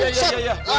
pakai sarung set